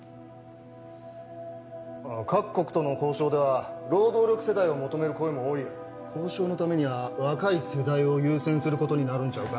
各国との交渉では労働力世代を求める声も多い交渉のためには若い世代を優先することになるんちゃうか？